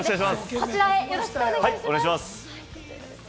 こちらへ、よろしくお願いします。